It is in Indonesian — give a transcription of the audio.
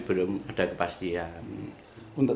karena apa pak